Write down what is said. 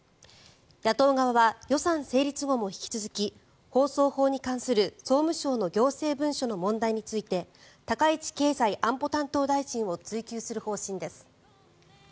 野党側は予算成立後も引き続き放送法に関する総務省の行政文書の問題について高市経済安保担当大臣を追及する方針です。